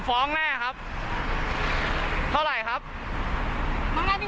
ต้องแจ้งเท่าไรเหมือนแบบนี้